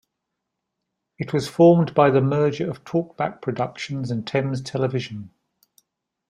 It was formed by the merger of Talkback Productions and Thames Television.